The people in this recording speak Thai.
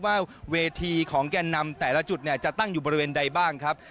ว่าเวทีของแก่นนำแต่ละจุดเนี่ยจะตั้งอยู่บริเวณใดบ้างครับ